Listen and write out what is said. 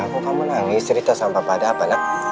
bukan menangis cerita sama bapak ada apa